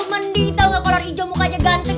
mending tau gak kolor ijo mukanya ganteng